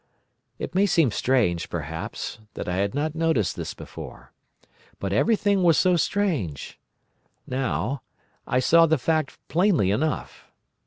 It may seem strange, perhaps, that I had not noticed this before. But everything was so strange. Now, I saw the fact plainly enough.